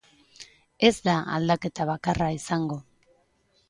Ez da aldaketa bakarra izango.